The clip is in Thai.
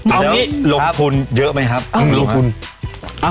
เอางี้ลงทุนเยอะไหมครับ